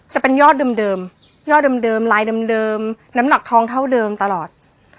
จะเป็นยอดเดิมยอดเดิมลายเดิมน้ำหนักทองเท่าเดิมตลอด